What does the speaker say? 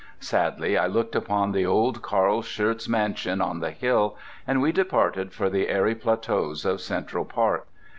Sadly I looked upon the old Carl Schurz mansion on the hill, and we departed for the airy plateaus of Central Park.